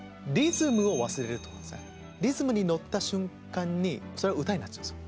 リズムに乗った瞬間にそれは歌になっちゃうんですよ。